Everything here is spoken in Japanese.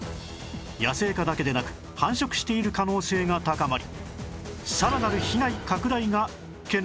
野生化だけでなく繁殖している可能性が高まり